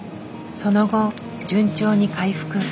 その後順調に回復。